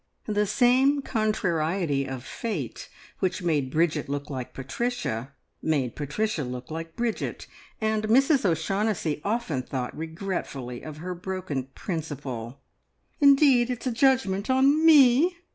The same contrariety of fate which made Bridget look like Patricia, made Patricia look like Bridget, and Mrs O'Shaughnessy often thought regretfully of her broken principle. "Indeed it's a judgment on me!"